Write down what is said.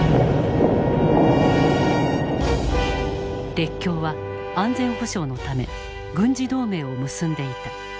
列強は安全保障のため軍事同盟を結んでいた。